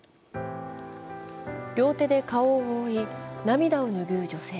両手で顔を多い涙を拭う女性。